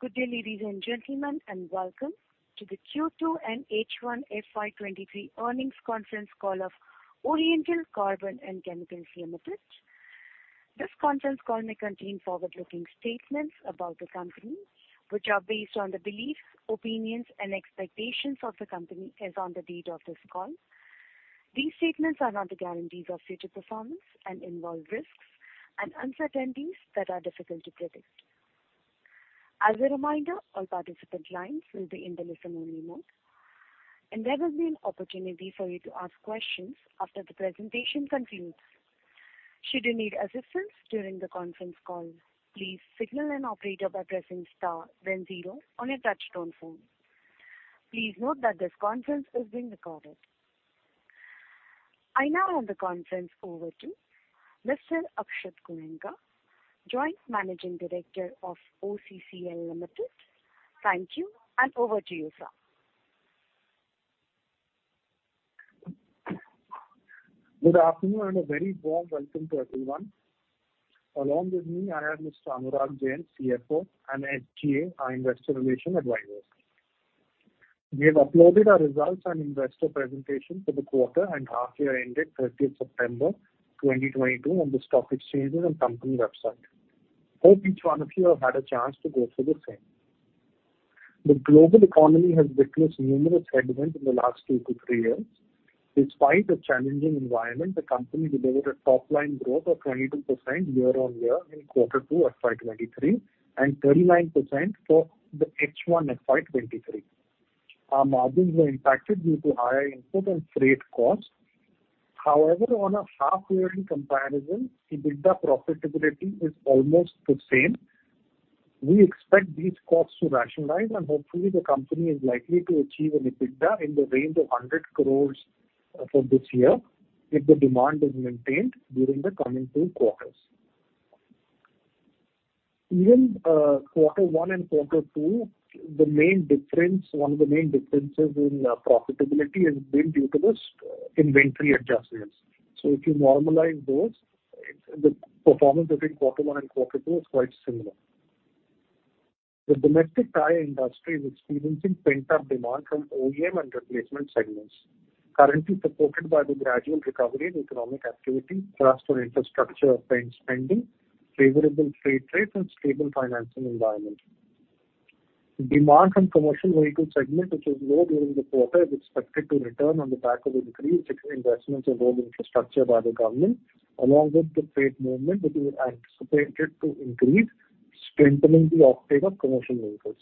Good day, ladies and gentlemen, and welcome to the Q2 and H1 FY 2023 Earnings Conference Call of Oriental Carbon & Chemicals Limited. This conference call may contain forward-looking statements about the company, which are based on the beliefs, opinions and expectations of the company as on the date of this call. These statements are not the guarantees of future performance and involve risks and uncertainties that are difficult to predict. As a reminder, all participant lines will be in the listen only mode, and there will be an opportunity for you to ask questions after the presentation concludes. Should you need assistance during the conference call, please signal an operator by pressing star then zero on your touchtone phone. Please note that this conference is being recorded. I now hand the conference over to Mr. Akshat Goenka, Joint Managing Director of OCCL Limited. Thank you and over to you, sir. Good afternoon and a very warm welcome to everyone. Along with me, I have Mr. Anurag Jain, CFO, and SGA, our investor relations advisors. We have uploaded our results and investor presentation for the quarter and half year ended 30th September 2022 on the stock exchanges and company website. Hope each one of you have had a chance to go through the same. The global economy has witnessed numerous headwinds in the last two to three years. Despite the challenging environment, the company delivered a top line growth of 22% year-on-year in quarter two FY 2023 and 39% for the H1 FY 2023. Our margins were impacted due to higher input and freight costs. However, on a half yearly comparison, EBITDA profitability is almost the same. We expect these costs to rationalize and hopefully the company is likely to achieve an EBITDA in the range of 100 crore for this year if the demand is maintained during the coming two quarters. Even quarter one and quarter two, one of the main differences in profitability has been due to this inventory adjustments. If you normalize those, it's the performance between quarter one and quarter two is quite similar. The domestic tire industry is experiencing pent-up demand from OEM and replacement segments, currently supported by the gradual recovery in economic activity, thrust on infrastructure spending, favorable trade rates and stable financing environment. Demand from commercial vehicle segment, which was low during the quarter, is expected to return on the back of increased investments in road infrastructure by the government, along with the freight movement, which we've anticipated to increase, strengthening the uptake of commercial vehicles.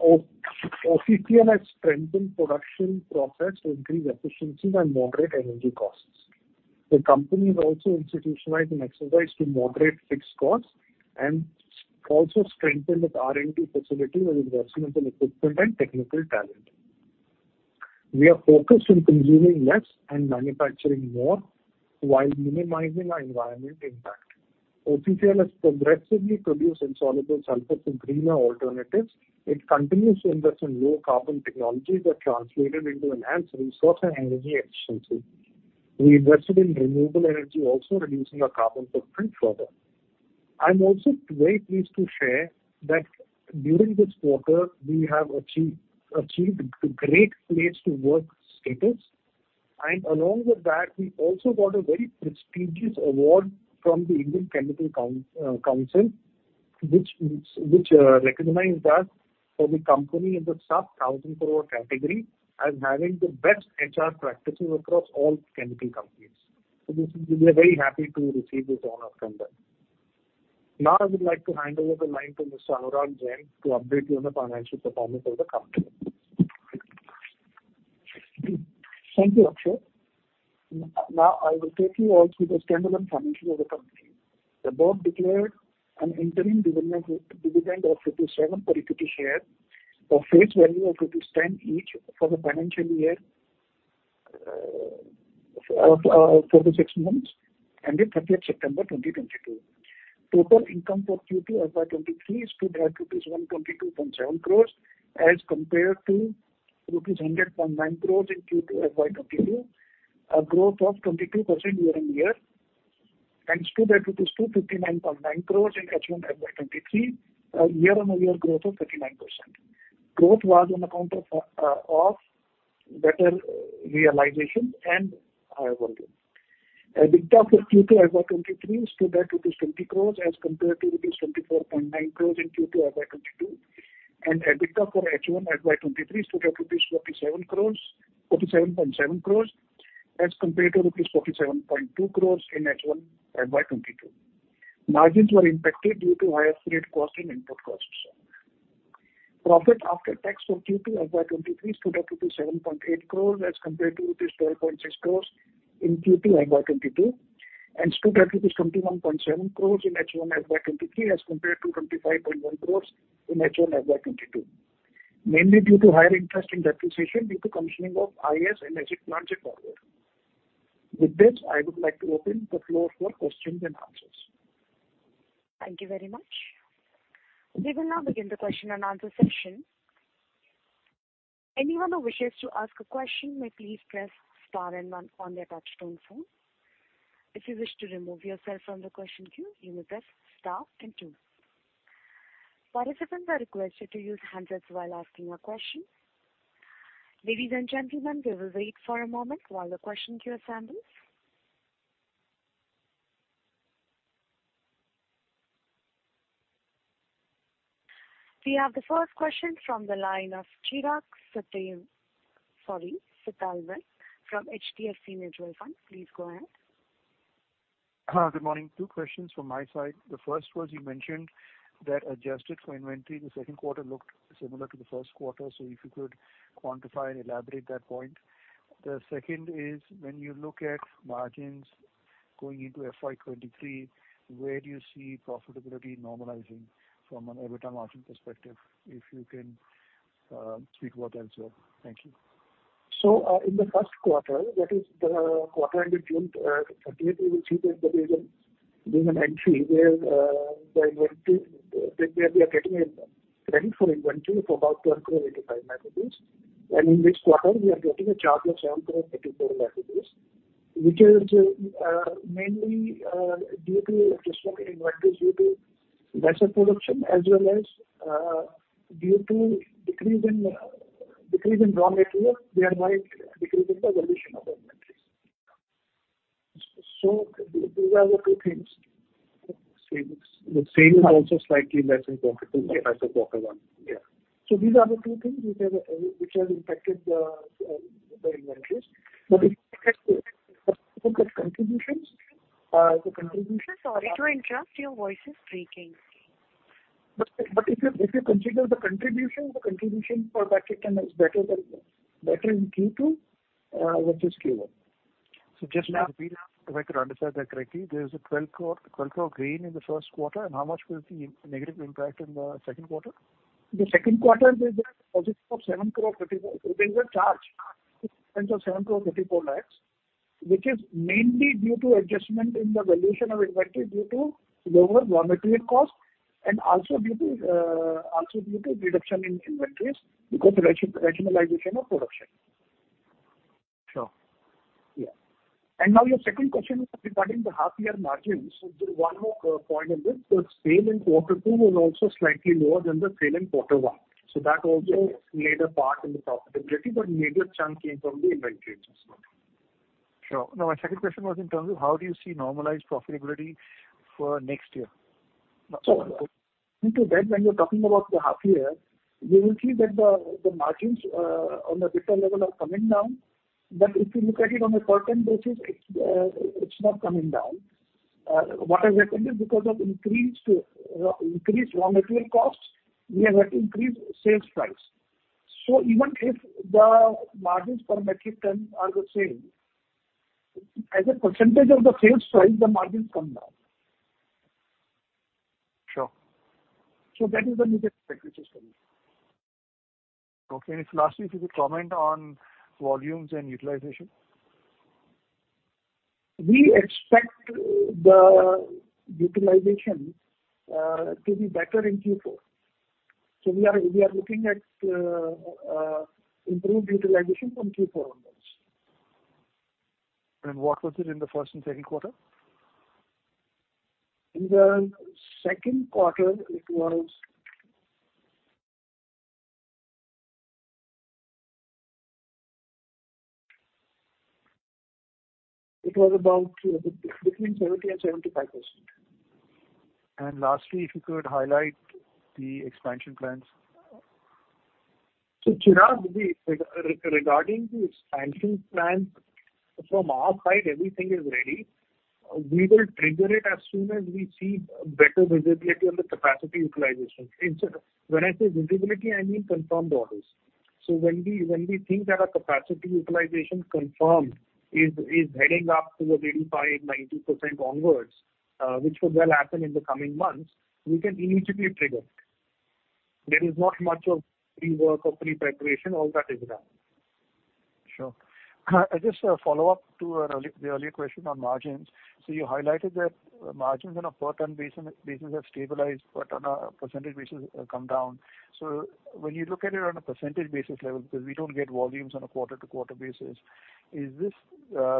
OCCL has strengthened production process to increase efficiencies and moderate energy costs. The company has also institutionalized an exercise to moderate fixed costs and also strengthen its R&D facility with investment in equipment and technical talent. We are focused on consuming less and manufacturing more while minimizing our environmental impact. OCCL has progressively produced insoluble sulfur from greener alternatives. It continues to invest in low carbon technologies that translated into enhanced resource and energy efficiency. We invested in renewable energy, also reducing our carbon footprint further. I'm also very pleased to share that during this quarter we have achieved Great Place to Work status. We also got a very prestigious award from the Indian Chemical Council, which recognized us for the company in the sub-1,000 crore category as having the best HR practices across all chemical companies. This is. We are very happy to receive this honor from them. Now I would like to hand over the line to Mr. Anurag Jain to update you on the financial performance of the company. Thank you, Akshat. Now I will take you all through the standalone financials of the company. The board declared an interim dividend of rupees 7 per equity share of face value of rupees 10 each for the six months ended 30th September 2022. Total income for Q2 FY 2023 stood at rupees 122.7 crore as compared to rupees 100.9 crore in Q2 FY 2022, a growth of 22% year-on-year, and stood at INR 259.9 crore in H1 FY 2023, a year-on-year growth of 39%. Growth was on account of better realization and higher volume. EBITDA for Q2 FY 2023 stood at 20 crore as compared to 24.9 crore in Q2 FY 2022, and EBITDA for H1 FY 2023 stood at INR 47.7 crore as compared to 47.2 crore in H1 FY 2022. Margins were impacted due to higher freight costs and input costs. Profit after tax for Q2 FY 2023 stood at 7.8 crore as compared to rupees 12.6 crore in Q2 FY 2022, and stood at 21.7 crore in H1 FY 2023 as compared to 25.1 crore in H1 FY 2022, mainly due to higher interest and depreciation due to commissioning of IS and SG plants at Porvorim. With this, I would like to open the floor for questions and answers. Thank you very much. We will now begin the question and answer session. Anyone who wishes to ask a question may please press star and one on their touchtone phone. If you wish to remove yourself from the question queue, you may press star and two. Participants are requested to use handsets while asking a question. Ladies and gentlemen, we will wait for a moment while the question queue assembles. We have the first question from the line of Chirag Setalvad from HDFC Mutual Fund. Please go ahead. Hello, good morning. Two questions from my side. The first was you mentioned that adjusted for inventory the second quarter looked similar to the first quarter. If you could quantify and elaborate that point. The second is when you look at margins going into FY 2023, where do you see profitability normalizing from an EBITDA margin perspective, if you can, speak about that as well. Thank you. In the first quarter, that is the quarter ending June 30, we see that there is an entry where the inventory for about 12.85 crore. In this quarter we are getting a charge of 7.84 crore, which is mainly due to adjustment in inventories due to lesser production as well as due to decrease in raw material. We are seeing a decrease in the valuation of inventories. These are the two things. Sales. The sales are also slightly less in quarter two as compared to quarter one. Yeah. These are the two things which have impacted the inventories. If you look at contributions, Sir, sorry to interrupt. Your voice is breaking. If you consider the contribution for metric ton is better in Q2 versus Q1. Just to repeat, if I could understand that correctly, there is an 12 crore gain in the first quarter. How much was the negative impact in the second quarter? The second quarter, there is a positive of 7.34 crore. There is a charge of 7.34 crore, which is mainly due to adjustment in the valuation of inventory due to lower raw material cost and also due to reduction in inventories because of rationalization of production. Sure. Yeah. Now your second question regarding the half year margins. One more point on this. The sale in quarter two was also slightly lower than the sale in quarter one. That also played a part in the profitability. Major chunk came from the inventories as well. Sure. No, my second question was in terms of how do you see normalized profitability for next year? Coming to that, when you're talking about the half year, you will see that the margins on a retail level are coming down. If you look at it on a per ton basis, it's not coming down. What has happened is because of increased raw material costs, we have had to increase sales price. Even if the margins per metric ton are the same, as a percentage of the sales price, the margins come down. Sure. That is the major factor which is coming. Okay. Lastly, if you could comment on volumes and utilization. We expect the utilization to be better in Q4. We are looking at improved utilization from Q4 onwards. What was it in the first and second quarter? In the second quarter it was about between 70%-75%. Lastly, if you could highlight the expansion plans. Chirag, regarding the expansion plans, from our side everything is ready. We will trigger it as soon as we see better visibility on the capacity utilization. When I say visibility, I mean confirmed orders. When we think that our capacity utilization confirmed is heading up to 85%-90% onwards, which could well happen in the coming months, we can immediately trigger. There is not much of pre-work or preparation. All that is done. Sure. Just a follow-up to the earlier question on margins. You highlighted that margins on a per ton basis have stabilized but on a percentage basis have come down. When you look at it on a percentage basis level, because we don't get volumes on a quarter to quarter basis, is this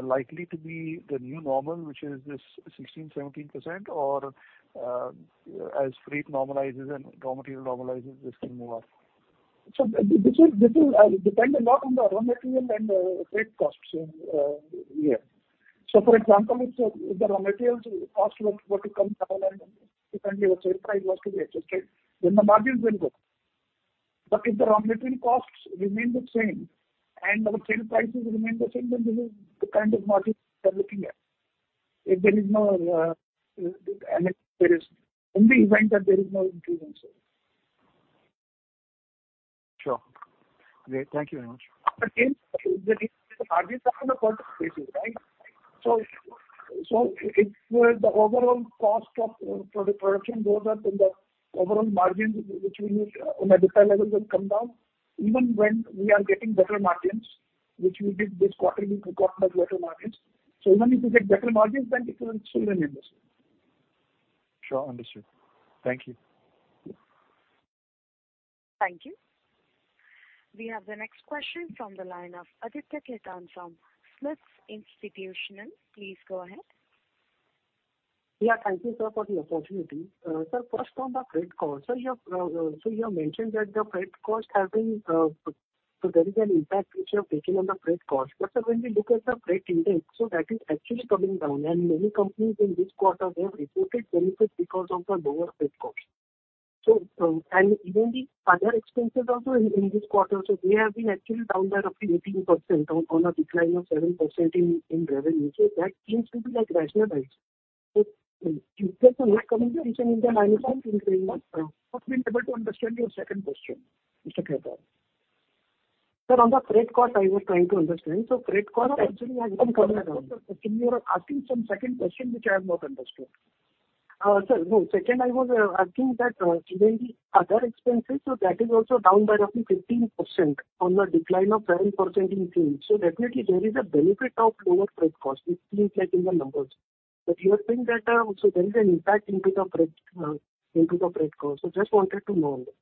likely to be the new normal, which is this 16%-17% or as freight normalizes and raw material normalizes this can move up? This will depend a lot on the raw material and freight costs in here. For example, if the raw materials cost were to come down and if only your sale price was to be adjusted, then the margins will go up. If the raw material costs remain the same and our sale prices remain the same, then this is the kind of margins we are looking at. In the event that there is no improvement. Sure. Great. Thank you very much. Again, the margins are on a quarter basis, right? So if the overall cost of production goes up, then the overall margins which we make on a retail level will come down. Even when we are getting better margins which we did this quarter with the quarter of better margins. Even if you get better margins, then it will still remain the same. Sure, understood. Thank you. Yeah. Thank you. We have the next question from the line of Aditya Khetan from SMIFS Limited. Please go ahead. Yeah, thank you, sir, for the opportunity. Sir, first on the freight cost. You have mentioned that the freight cost has been, so there is an impact which you have taken on the freight cost. Sir, when we look at the freight index, that is actually coming down and many companies in this quarter they have reported benefits because of the lower freight cost. Even the other expenses also in this quarter, they have been actually down by roughly 18% on a decline of 7% in revenue. That seems to be like rationalized. Is there some net coming here which can impact margins in the coming months? Not been able to understand your second question, Mr. Khetan. Sir, on the freight cost I was trying to understand. Freight cost actually has been coming down. No. You're asking some second question which I have not understood. Second, I was asking that, even the other expenses, that is also down by roughly 15% on a decline of 7% in sales. Definitely there is a benefit of lower freight cost, it seems like in the numbers. You are saying that, so there is an impact into the freight cost. Just wanted to know that.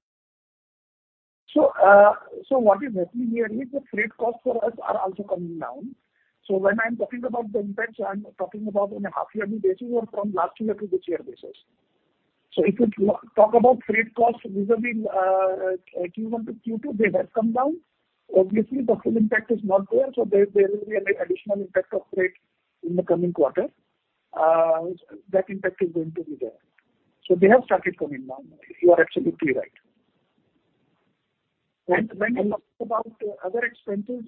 What is happening here is the freight costs for us are also coming down. When I'm talking about the impact, I'm talking about on a half yearly basis or from last year to this year basis. If you talk about freight costs vis-à-vis Q1 to Q2, they have come down. Obviously the full impact is not there, so there will be an additional impact of freight in the coming quarter. That impact is going to be there. They have started coming down. You are absolutely right. When you talk about other expenses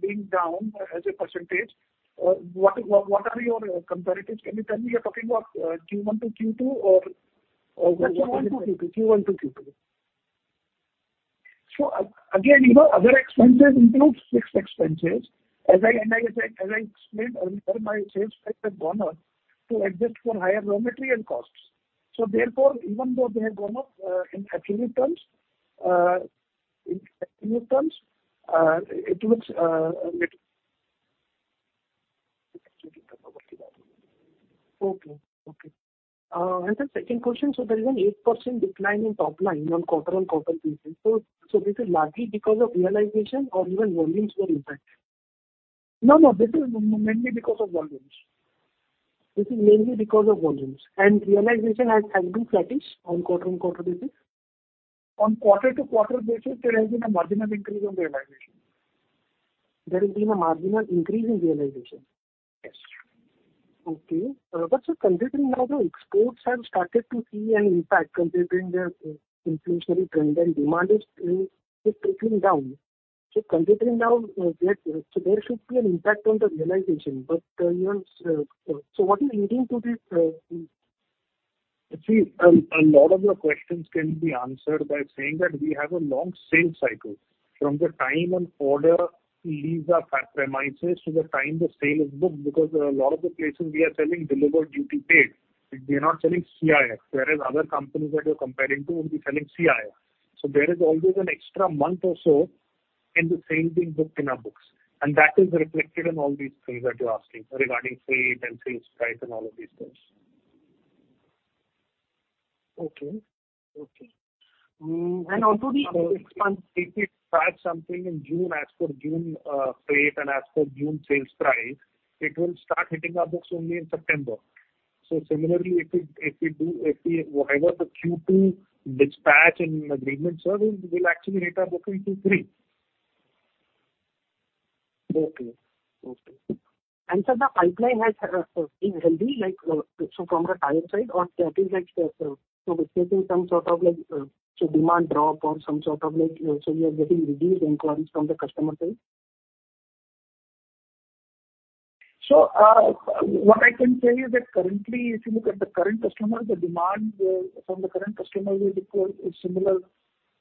being down as a percentage, what are your comparatives? Can you tell me you're talking about Q1 to Q2 or. That's Q1 to Q2. Q1 to Q2. Again, you know, other expenses include fixed expenses. As I explained earlier, my sales price have gone up to adjust for higher raw material costs. Therefore, even though they have gone up in absolute terms, it looks little. Okay. Okay. Sir, second question. There is an 8% decline in top line on quarter-on-quarter basis. This is largely because of realization or even volumes were impacted? No. This is mainly because of volumes. Realization has been flattish on quarter-on-quarter basis? On quarter-on-quarter basis, there has been a marginal increase in realization. There has been a marginal increase in realization. Yes. Okay. Sir, considering now the exports have started to see an impact considering the inflationary trend and demand is trickling down. Considering now that, there should be an impact on the realization. You have... What is leading to this? A lot of your questions can be answered by saying that we have a long sales cycle. From the time an order leaves our premises to the time the sale is booked, because a lot of the places we are selling Delivered Duty Paid, we are not selling CIF. Whereas other companies that you're comparing to will be selling CIF. There is always an extra month or so in the sales being booked in our books, and that is reflected in all these things that you're asking regarding freight and sales price and all of these things. Okay. Okay. If we dispatch something in June as per June freight and as per June sales price, it will start hitting our books only in September. Similarly, if we do whatever the Q2 dispatch and agreements are, we'll actually hit our books in Q3. Okay. Okay. Sir, the pipeline is healthy, so from the tire side, are we facing some sort of demand drop or are we getting reduced inquiries from the customer side? What I can say is that currently, if you look at the current customers, the demand from the current customers is similar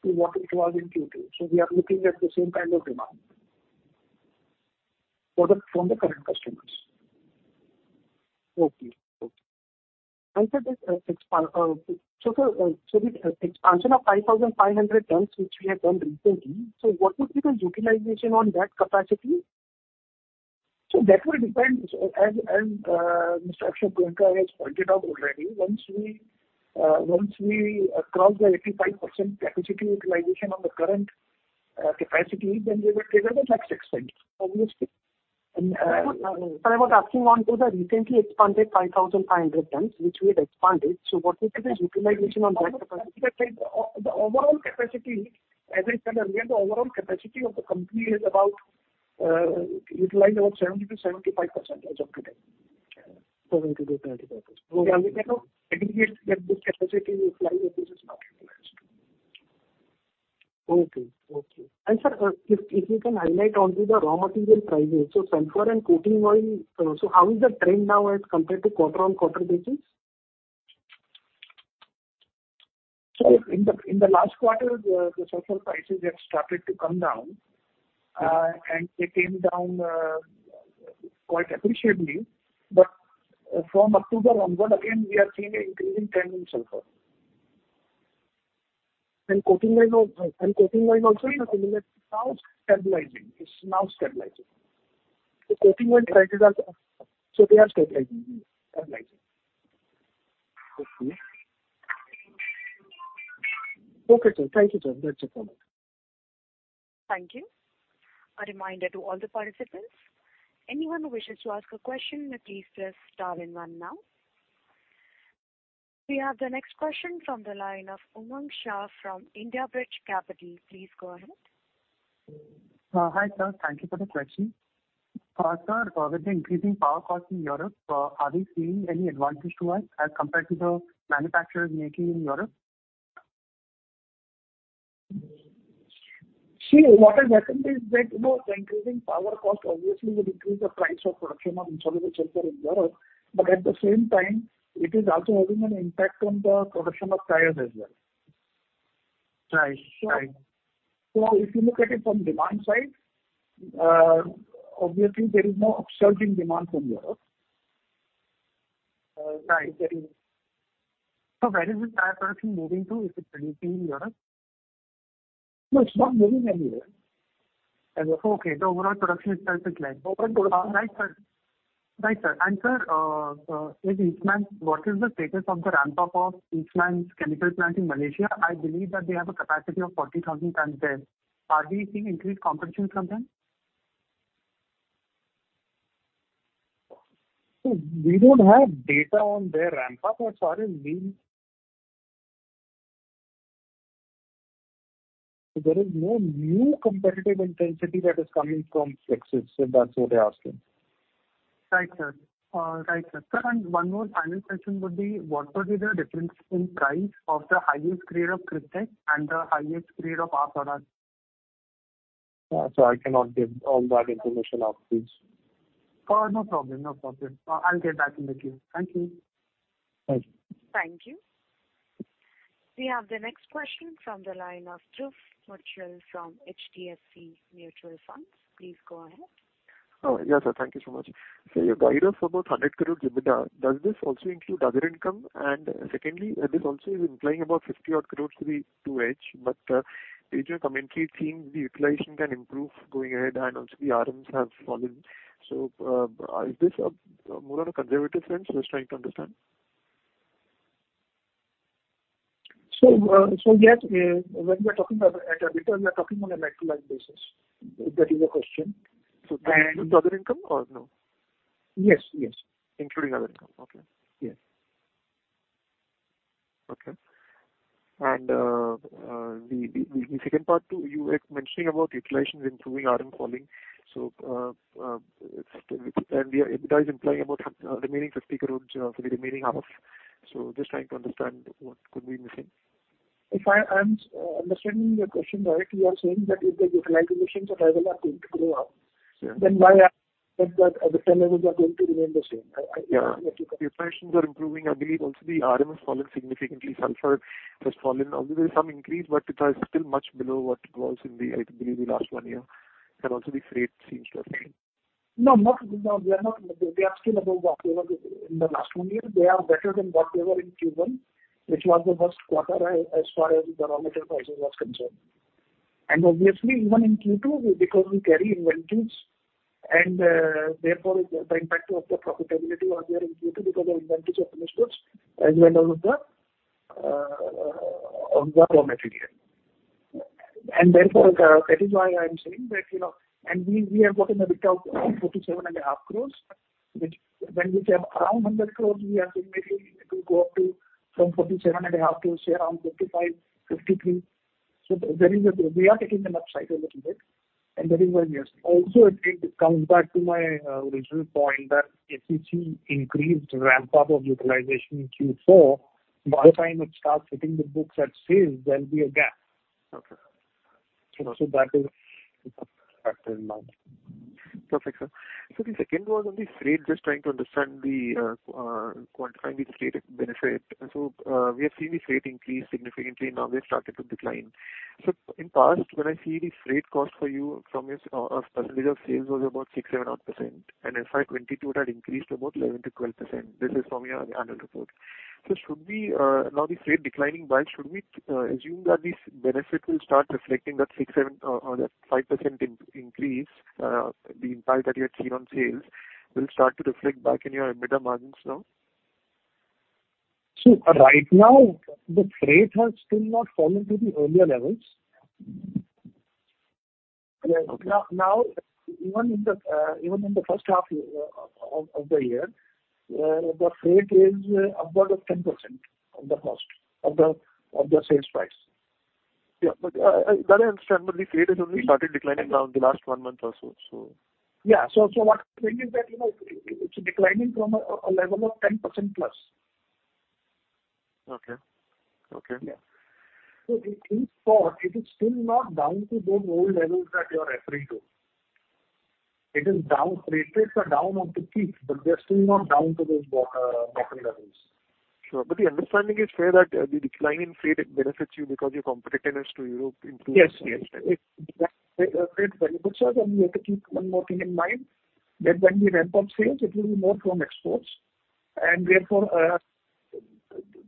to what it was in Q2. We are looking at the same kind of demand from the current customers. Okay. Okay. Sir, the expansion of 5,500 tons which we have done recently, what would be the utilization on that capacity? That will depend. As Mr. Akshat Goenka has pointed out already, once we cross the 85% capacity utilization on the current capacity, then we will trigger the next expense, obviously. But I was asking on to the recently expanded 5,500 tons, which we had expanded. What would be the utilization on that capacity? The overall capacity, as I said earlier, of the company is about utilized about 70%-75% as of today. 70%-75%. Okay. Yeah, we cannot aggregate that this capacity is live and this is not utilized. Okay. Sir, if you can highlight on to the raw material prices, so sulfur and coating oil, so how is the trend now as compared to quarter-on-quarter basis? In the last quarter the sulfur prices have started to come down and they came down quite appreciably. From October onward, again, we are seeing an increase in trend in sulfur and coating oil also is now stabilizing. The coating oil prices are stabilizing, yes. Okay, sir. Thank you, sir. That's it from me. Thank you. A reminder to all the participants, anyone who wishes to ask a question, please press star one now. We have the next question from the line of Umang Shah from IndiaBridge Capital. Please go ahead. Hi, sir. Thank you for the question. Sir, with the increasing power cost in Europe, are we seeing any advantage to us as compared to the manufacturers making in Europe? See, what has happened is that, you know, the increasing power cost obviously will increase the price of production of insoluble sulfur in Europe. But at the same time, it is also having an impact on the production of tires as well. Right. If you look at it from demand side, obviously there is no upsurge in demand from Europe. Right. Where is this tire production moving to? Is it still in Europe? No, it's not moving anywhere. Okay. The overall production itself is less. Right, sir. Sir, with Eastman, what is the status of the ramp-up of Eastman's chemical plant in Malaysia? I believe that they have a capacity of 40,000 tons there. Are we seeing increased competition from them? We don't have data on their ramp-up. There is no new competitive intensity that is coming from Flexsys, so that's what we're asking. Right, sir. Sir, one more final question would be, what would be the difference in price of the highest grade of Crystex and the highest grade of [Asura]? I cannot give all that information out, please. No problem. I'll get back in the queue. Thank you. Thank you. We have the next question from the line of Dhruv Muchhal from HDFC Mutual Fund. Please go ahead. Yes, sir. Thank you so much. Your guidance about 100 crore EBITDA, does this also include other income? Secondly, this also is implying about 50 odd crore to the hedge. Management commentary seems the utilization can improve going ahead and also the RMs have fallen. Is this more in a conservative sense? Just trying to understand. Yes, when we are talking about EBITDA, we are talking on an annualized basis. If that is your question. That includes other income or no? Yes. Yes. Including other income. Okay. Yes. Okay. The second part that you were mentioning about utilization improving, RM falling. The EBITDA is implying about 50 crore rupees remaining for the remaining half. Just trying to understand what could be missing. If I am understanding your question right, you are saying that if the utilization of tire are going to go up. Yeah. Why are the levels are going to remain the same? Yeah. The utilizations are improving. I believe also the RM has fallen significantly. Sulfur has fallen. Obviously there's some increase, but it is still much below what it was in the, I believe, the last one year. Also the freight seems to have fallen. No, they are not. They are still above whatever in the last one year. They are better than what they were in Q1, which was the worst quarter as far as the raw material prices was concerned. Obviously even in Q2, because we carry inventories and therefore the impact of the profitability was there in Q2 because the inventories are finished goods as well as the of the raw material. Therefore that is why I'm saying that and we have got an EBITDA of 47.5 crore, which when we say around 100 crore, we are saying maybe it will go up to from 47.5 to say around 55, 53. So there is a. We are taking an upside a little bit, and that is why we are seeing. Also it comes back to my original point that if we see increased ramp-up of utilization in Q4, by the time it starts hitting the books at sales, there'll be a gap. Okay. You know, that is a factor in mind. Perfect, sir. The second was on the freight. Just trying to understand quantifying the freight benefit. We have seen the freight increase significantly. Now they've started to decline. In past, when I see the freight cost for you from your a percentage of sales was about 6%-7%. In FY 2022, it had increased to about 11%-12%. This is from your annual report. Now the freight declining by, should we assume that this benefit will start reflecting that 6%-7% or that 5% increase, the impact that you had seen on sales will start to reflect back in your EBITDA margins now? Right now the freight has still not fallen to the earlier levels. Now even in the first half of the year, the freight is upward of 10% of the cost of the sales price. I understand that. The freight has only started declining now in the last one month or so. Yeah. What I'm saying is that, you know, it's declining from a level of 10%+. Okay. Yeah. In Q4 it is still not down to those old levels that you are referring to. It is down. Freight rates are down from the peak, but they're still not down to those bottom levels. Sure. The understanding is fair that the decline in freight benefits you because your competitiveness to Europe improves. Yes. Yes. You have to keep one more thing in mind that when we ramp up sales, it will be more from exports. Therefore,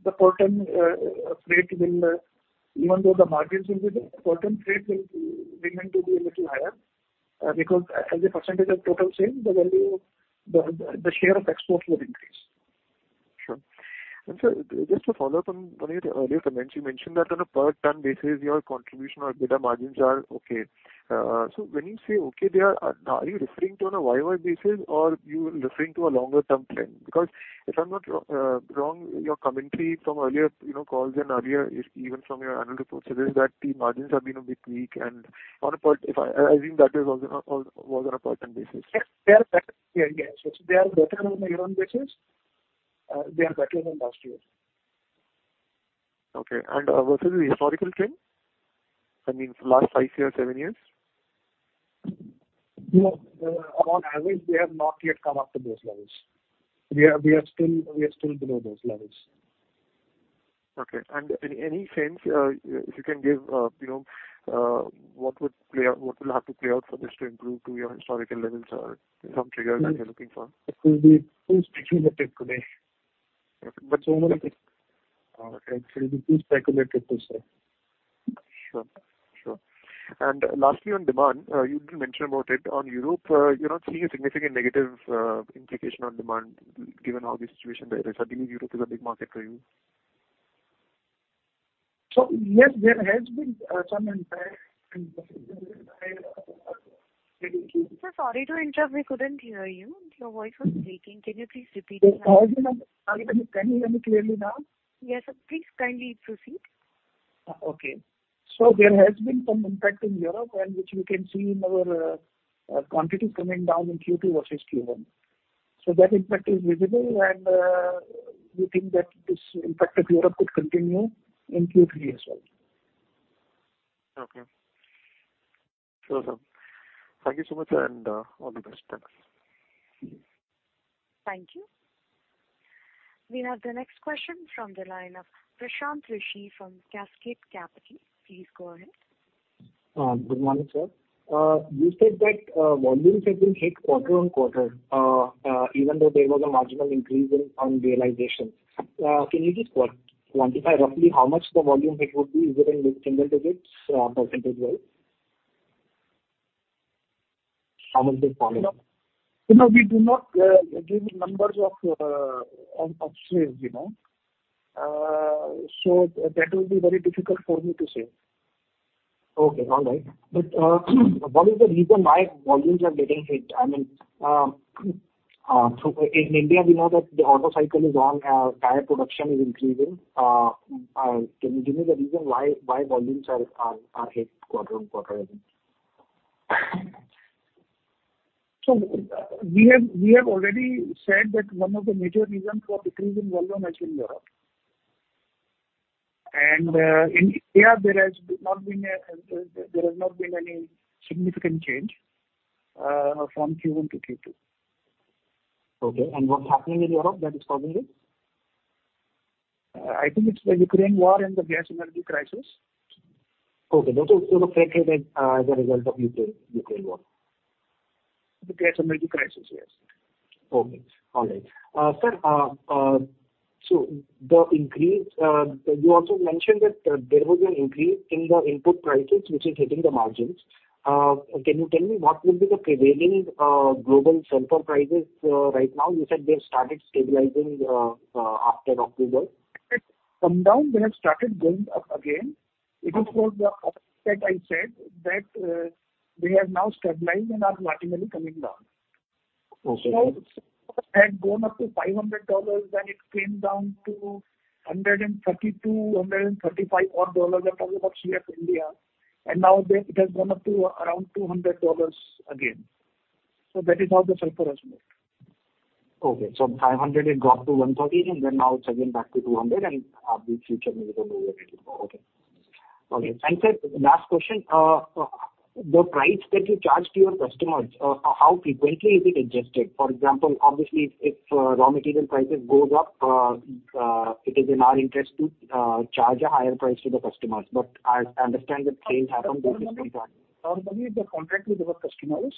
the per ton rate will, even though the margins will be, the per ton rate will be meant to be a little higher, because as a percentage of total sales, the value of the share of exports will increase. Sure. Sir, just to follow up on one of your earlier comments, you mentioned that on a per ton basis, your contribution or EBITDA margins are okay. When you say okay, are you referring to on a YoY basis or you're referring to a longer-term trend? Because if I'm not wrong, your commentary from earlier, you know, calls and earlier, even from your annual report suggests that the margins have been a bit weak and on a per ton basis. If I think that was also on a per ton basis. Yes. They are better. Yeah. Yes. They are better on a year-on-year basis. They are better than last year. Okay. Versus the historical trend, I mean for the last five years, seven years. You know, on average, we have not yet come up to those levels. We are still below those levels. Okay. Any sense, if you can give, you know, what would play out, what will have to play out for this to improve to your historical levels or some trigger that you're looking for? It will be too speculative to say. Okay. Generally. It will be too speculative to say. Sure. Lastly, on demand, you did mention about it in Europe. You're not seeing a significant negative implication on demand given how the situation there is. I believe Europe is a big market for you. Yes, there has been some impact in. Sir, sorry to interrupt. We couldn't hear you. Your voice was breaking. Can you please repeat that? Can you hear me clearly now? Yes, sir. Please kindly proceed. Okay. There has been some impact in Europe and which we can see in our quantities coming down in Q2 versus Q1. That impact is visible and we think that this impact of Europe could continue in Q3 as well. Okay. Sure, sir. Thank you so much and all the best. Thanks. Thank you. We have the next question from the line of Prashant Rishi from Cascade Capital. Please go ahead. Good morning, sir. You said that volumes have been hit quarter-on-quarter, even though there was a marginal increase in realization. Can you just quantify roughly how much the volume hit would be, either in mid-single digits or percentage-wise? How much is the volume? You know, we do not give numbers of on sales, you know. So that will be very difficult for me to say. Okay. All right. What is the reason why volumes are getting hit? I mean, in India, we know that the auto cycle is on, tire production is increasing. Can you give me the reason why volumes are hit quarter-over-quarter again? We have already said that one of the major reasons for decrease in volume has been Europe. In India, there has not been any significant change from Q1 to Q2. Okay. What's happening in Europe that is causing it? I think it's the Ukraine war and the gas, energy crisis. Okay. Those are primarily as a result of Ukraine war. The gas and energy crisis. Yes. Okay. All right. Sir, the increase you also mentioned that there was an increase in your input prices, which is hitting the margins. Can you tell me what will be the prevailing global sulfur prices right now? You said they have started stabilizing after October. It's come down. They have started going up again. It is for the fact that I said that, they have now stabilized and are gradually coming down. Okay. Had gone up to $500, then it came down to $132-$135 odd. I'm talking about CFR India. Now they, it has gone up to around $200 again. That is how the sulfur has moved. Okay. $500, it got to $130, and then now it's again back to $200, and the future we don't know where it'll go. Okay. Sir, last question. The price that you charge to your customers, how frequently is it adjusted? For example, obviously if raw material prices goes up, it is in our interest to charge a higher price to the customers. But I understand that things happen both ways. Normally the contract with our customers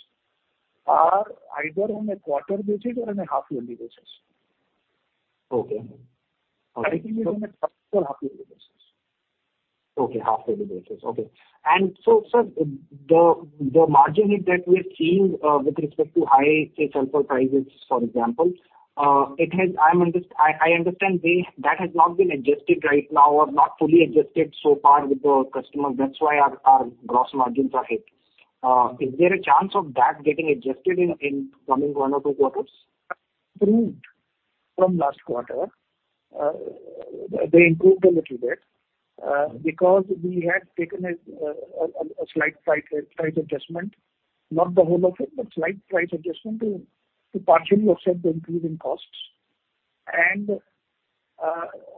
are either on a quarter basis or on a half yearly basis. Okay. I think it is on a quarterly, half-yearly basis. Half-yearly basis. Sir, the margin hit that we're seeing with respect to high, say, sulfur prices, for example, I understand that has not been adjusted right now or not fully adjusted so far with the customers. That's why our gross margins are hit. Is there a chance of that getting adjusted in coming one or two quarters? From last quarter, they improved a little bit, because we had taken a slight price adjustment, not the whole of it, but slight price adjustment to partially offset the increase in costs.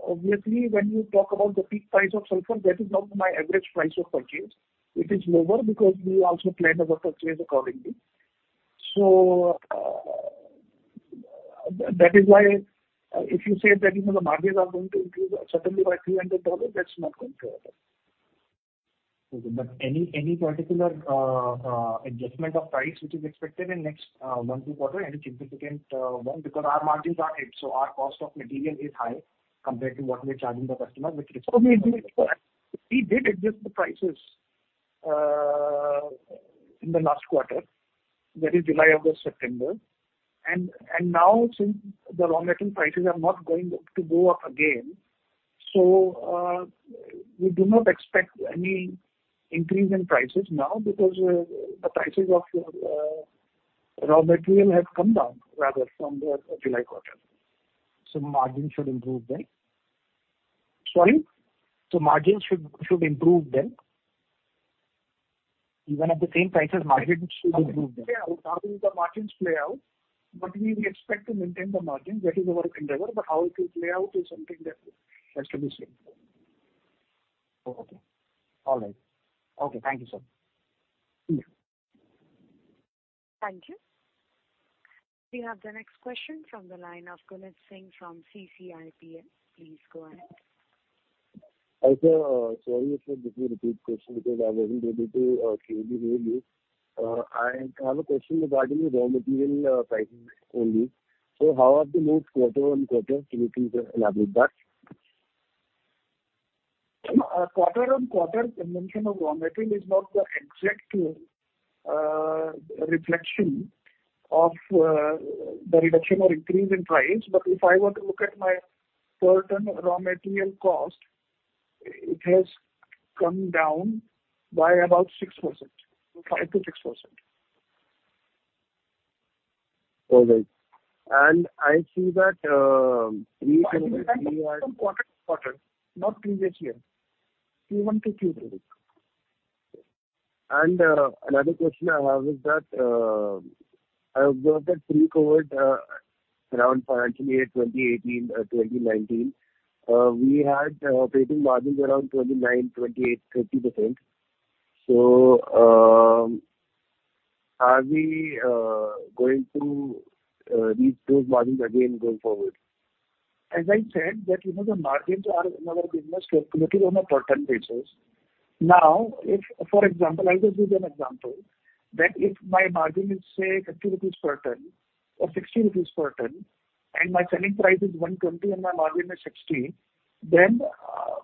Obviously, when you talk about the peak price of sulfur, that is not my average price of purchase. It is lower because we also plan our purchase accordingly. That is why, if you say that, you know, the margins are going to increase certainly by $200, that's not going to happen. Okay. Any particular adjustment of price which is expected in next one, two quarter, any significant one? Because our margins are 8%, so our cost of material is high compared to what we're charging the customer, which is. We did adjust the prices in the last quarter, that is July, August, September. Now since the raw material prices are not going to go up again, so we do not expect any increase in prices now because the prices of raw material has come down rather from the July quarter. Margins should improve then. Sorry? Margins should improve then. Even at the same prices, margins should improve then. Yeah. How will the margins play out? We expect to maintain the margins. That is our endeavor. How it will play out is something that has to be seen. Oh, okay. All right. Okay. Thank you, sir. Mm-hmm. Thank you. We have the next question from the line of Gunjit Singh from [CICI IPA]. Please go ahead. Hi, sir. Sorry if this is a repeat question because I wasn't able to clearly hear you. I have a question regarding the raw material pricing only. How have they moved quarter-over-quarter? If you could elaborate that. No, quarter-on-quarter consumption of raw material is not the exact reflection of the reduction or increase in price. If I were to look at my per ton raw material cost, it has come down by about 6%, 5%-6%. All right. I see that, Raw material prices from quarter to quarter, not previous year. Q1 to Q2. Another question I have is that I observed that pre-COVID, around financial year 2018, 2019, we had operating margins around 29%, 28%, 30%. Are we going to reach those margins again going forward? As I said, that, you know, the margins are in our business calculated on a per ton basis. Now, for example, I just give an example, that if my margin is, say, 50 rupees per ton or 60 rupees per ton, and my selling price is 120 and my margin is 60, then,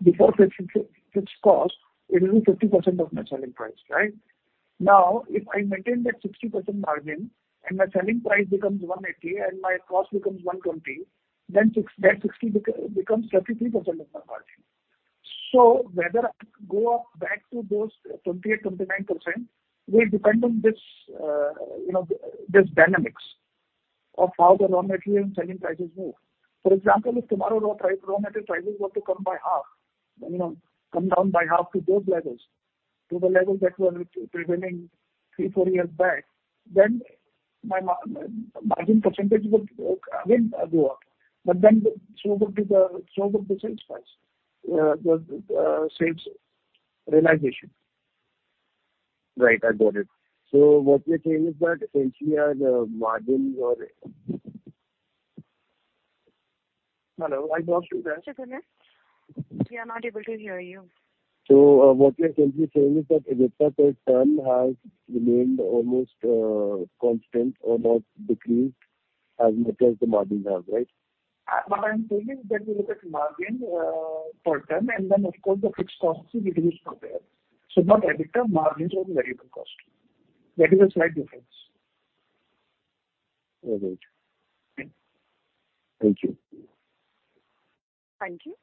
before fixed cost, it is 50% of my selling price, right? Now, if I maintain that 60% margin and my selling price becomes 180 and my cost becomes 120, then that 60 becomes 30% of my margin. Whether go up back to those 28%-29% will depend on this, you know, this dynamics of how the raw material and selling prices move. For example, if tomorrow raw material prices were to come down by half, you know, to the levels that were prevailing three, four years back, then my margin percentage would again go up. So would the sales price. The sales realization. Right. I got it. What you're saying is that essentially, the margins are. Hello? I lost you there. Mr. Guljit, we are not able to hear you. What you're essentially saying is that EBITDA per ton has remained almost constant or not decreased as much as the margins have, right? What I'm saying is that we look at margin per ton, and then of course, the fixed costs will reduce from there. Not EBITDA, margins are the variable cost. There is a slight difference. Oh, right. Mm-hmm. Thank you. Thank you.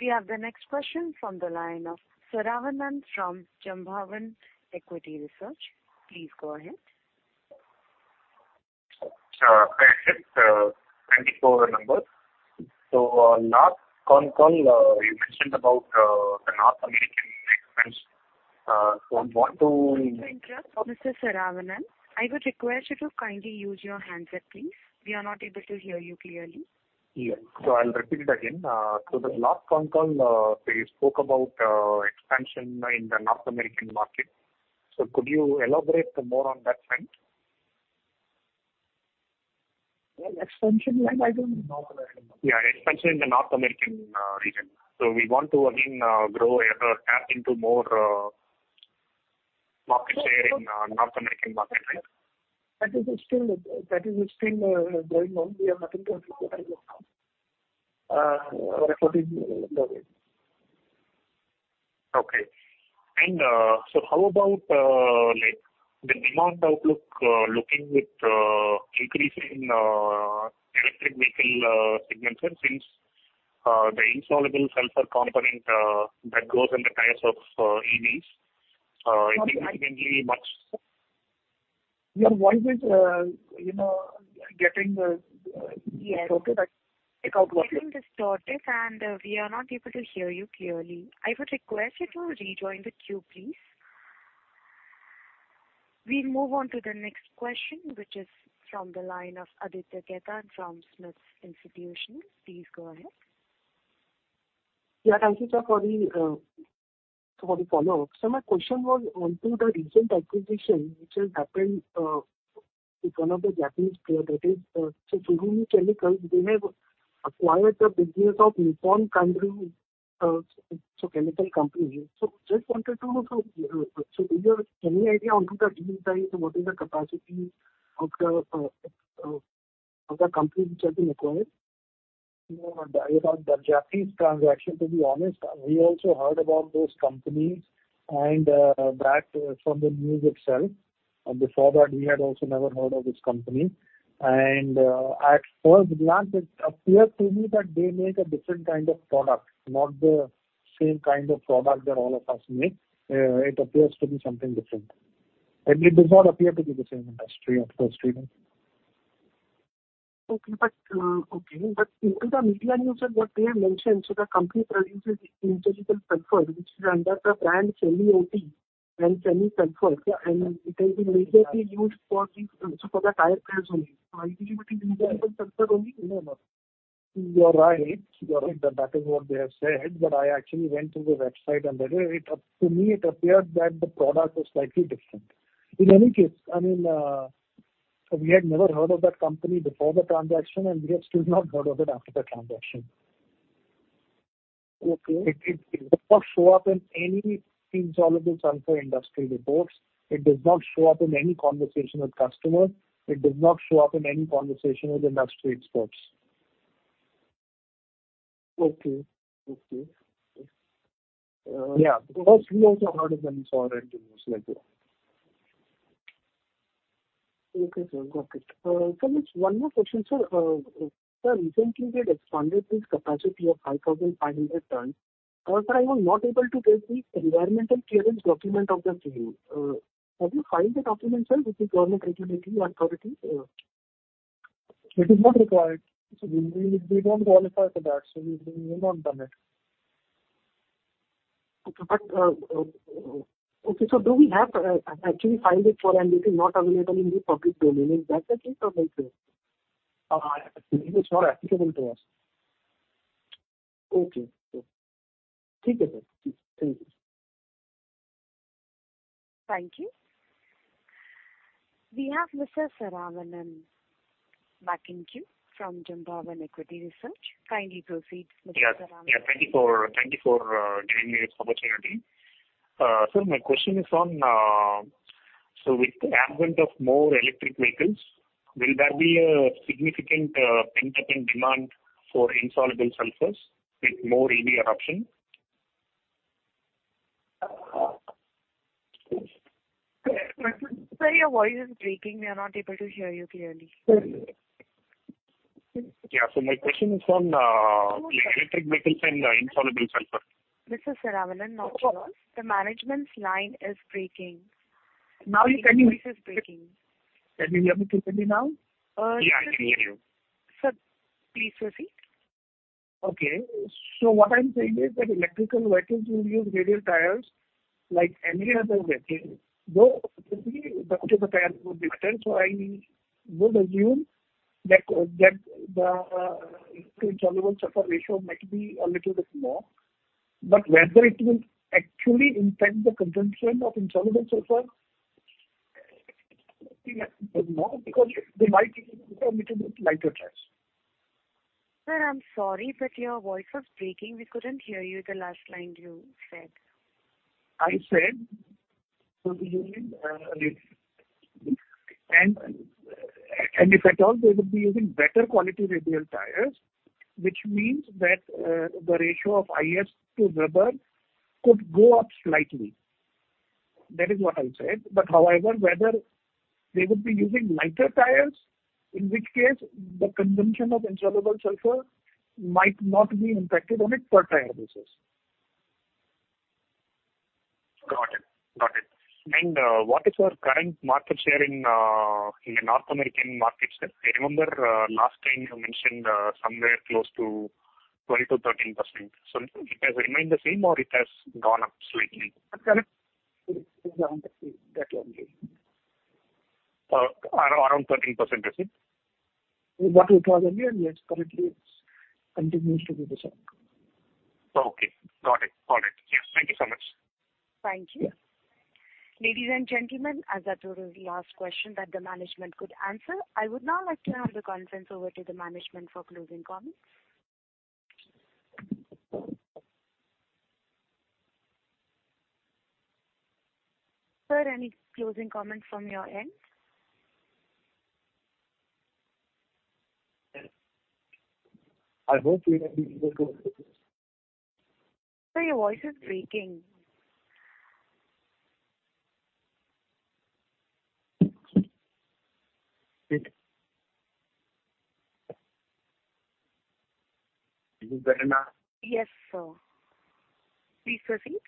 We have the next question from the line of Saravanan from Jambavan Equity Research. Please go ahead. Hi. It's 24 number. Last concall, you mentioned about the North American expansion. I want to- Sorry to interrupt, Mr. Saravanan. I would request you to kindly use your handset, please. We are not able to hear you clearly. Yes. I'll repeat it again. The last con call, you spoke about expansion in the North American market. Could you elaborate more on that front? Well, expansion where? North American market. Yeah, expansion in the North American region. We want to again grow or tap into more market share in North American market, right? That is still going on. We have nothing to report as of now. Reporting nothing. Okay, how about, like, the demand outlook looking with increase in electric vehicle segment, since the insoluble sulfur component that goes in the tires of EVs, it is significantly much- Your voice is, you know, getting Yes. I think our network. It is getting distorted, and we are not able to hear you clearly. I would request you to rejoin the queue, please. We move on to the next question, which is from the line of Aditya Khetan from SMIFS. Please go ahead. Yeah. Thank you, sir, for the follow-up. My question was onto the recent acquisition which has happened. It's one of the Japanese player that is Tsurumi Chemical. They have acquired the business of Nippon Kanryu chemical company. Just wanted to know, so do you have any idea on to the deal size or what is the capacity of the company which has been acquired? You know, about the Japanese transaction, to be honest, we also heard about those companies and that from the news itself. Before that, we had also never heard of this company. At first glance, it appears to me that they make a different kind of product, not the same kind of product that all of us make. It appears to be something different. It does not appear to be the same industry at first reading. Okay. In the media news and what they have mentioned, the company produces insoluble sulfur, which is under the brand Chemi OT and Chemi Sulfur. It has been majorly used for the tire players only. I think it is insoluble sulfur only, you know, sir. You are right. You are right that that is what they have said. I actually went to the website and read it. To me it appeared that the product was slightly different. In any case, I mean, we had never heard of that company before the transaction, and we have still not heard of it after the transaction. Okay. It does not show up in any insoluble sulfur industry reports. It does not show up in any conversation with customers. It does not show up in any conversation with industry experts. Okay. Okay. Yeah. Because we also heard it when we saw it in the news like that. Okay, sir. Got it. Sir, just one more question, sir. Sir, recently they expanded this capacity of 5,500 tons. I was not able to get the environmental clearance document of the same. Have you filed the document, sir, with the government regulatory authority? It is not required. We don't qualify for that. We may not done it. Okay. Okay. Do we have actually filed it and it is not available in the public domain? Is that the case or no case? It is not applicable to us. Okay. Cool. Thank you, sir. Thank you. Thank you. We have Mr. Saravanan M from Jambavan Equity Research. Kindly proceed, Mr. Saravanan. Yeah. Thank you for giving me this opportunity. Sir, my question is on. With the advent of more electric vehicles, will there be a significant pent-up demand for insoluble sulfurs with more EV adoption? Sir, your voice is breaking. We are not able to hear you clearly. Yeah. My question is on electric vehicles and insoluble sulfur. Mr. Saravanan. Okay. The management's line is breaking. Now you can hear me? His voice is breaking. Can you hear me clearly now? Yeah, I can hear you. Sir, please proceed. Okay. What I'm saying is that electric vehicles will use radial tires like any other vehicle, though typically the structure of the tire would be different. I would assume that the insoluble sulfur ratio might be a little bit more. Whether it will actually impact the consumption of insoluble sulfur, I think that does not, because they might use a little bit lighter tires. Sir, I'm sorry, but your voice was breaking. We couldn't hear the last line you said. I said, so they will be using, and if at all they would be using better quality radial tires, which means that the ratio of IS to rubber could go up slightly. That is what I said. However, whether they would be using lighter tires, in which case the consumption of insoluble sulfur might not be impacted on a per tire basis. Got it. What is your current market share in the North American markets, sir? I remember last time you mentioned somewhere close to 20%-13%. It has remained the same or it has gone up slightly? Correct. It is around the same, that only. Around 13%, is it? What it was earlier, yes. Currently it continues to be the same. Okay. Got it. Yes. Thank you so much. Thank you. Ladies and gentlemen, as that was the last question that the management could answer, I would now like to hand the conference over to the management for closing comments. Sir, any closing comments from your end? I hope we have been able to. Sir, your voice is breaking. Is it better now? Yes, sir. Please proceed.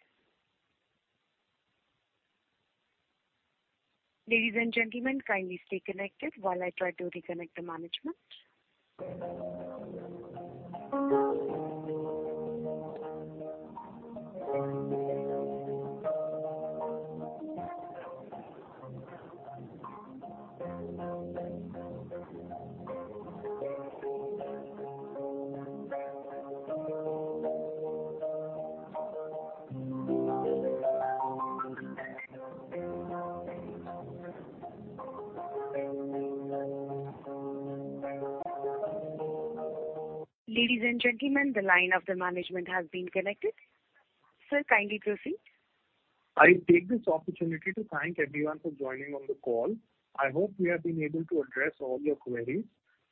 Ladies and gentlemen, kindly stay connected while I try to reconnect the management. Ladies and gentlemen, the line of the management has been connected. Sir, kindly proceed. I take this opportunity to thank everyone for joining on the call. I hope we have been able to address all your queries.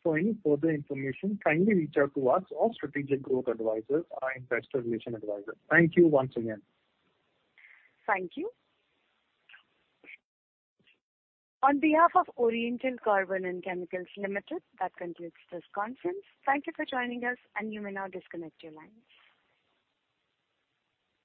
For any further information, kindly reach out to us or Strategic Growth Advisors, our investor relations advisor. Thank you once again. Thank you. On behalf of Oriental Carbon & Chemicals Limited, that concludes this conference. Thank you for joining us, and you may now disconnect your lines.